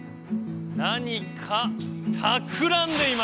何かたくらんでいます！